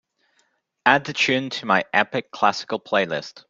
Add the tune to my Epic Classical playlist.